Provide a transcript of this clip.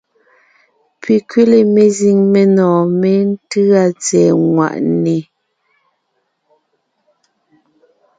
Pi kẅile mezíŋ menɔ̀ɔn méntʉ́a tsɛ̀ɛ ŋwàʼne.